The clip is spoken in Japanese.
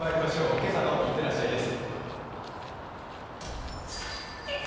「今朝のいってらっしゃい」です。